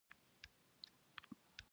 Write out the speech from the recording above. يو څوک چې د هېواد واکمن شي.